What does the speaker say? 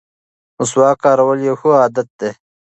مسواک کارول یو ښه عادت دی.